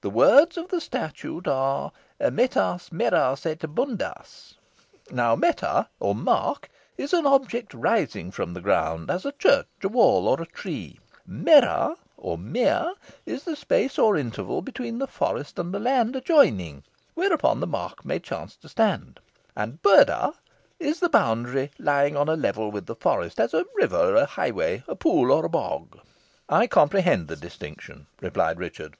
The words of the statute are 'metas, meras, et bundas,' now meta, or mark, is an object rising from the ground, as a church, a wall, or a tree; mera, or mere, is the space or interval between the forest and the land adjoining, whereupon the mark may chance to stand; and bunda is the boundary, lying on a level with the forest, as a river, a highway, a pool, or a bog." "I comprehend the distinction," replied Richard.